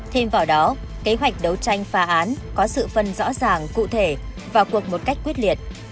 thêm vào đó kế hoạch đấu tranh phá án có sự phân rõ ràng cụ thể vào cuộc một cách quyết liệt